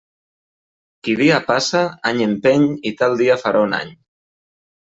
Qui dia passa, any empeny i tal dia farà un any.